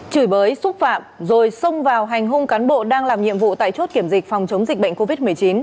chửi bới xúc phạm rồi xông vào hành hung cán bộ đang làm nhiệm vụ tại chốt kiểm dịch phòng chống dịch bệnh covid một mươi chín